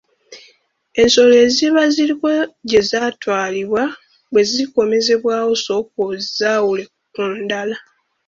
Ensolo eziba ziriko gye zaatwalibwa bwe zikomezebwawo sooka ozaawule ku ndala.